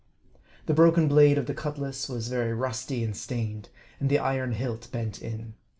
The broken blade of the cutlass was very rusty and stained ; and the iron hilt bent in.